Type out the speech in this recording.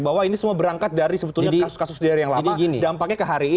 bahwa ini semua berangkat dari sebetulnya kasus kasus daerah yang lama dampaknya ke hari ini